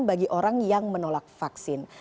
bagi orang yang menolak vaksin